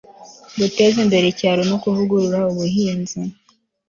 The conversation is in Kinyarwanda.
guteza imbere icyaro no kuvugurura ubuhinzi